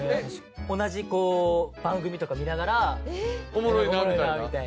同じ番組とか見ながら「おもろいなあ」みたいな。